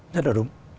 rất là đúng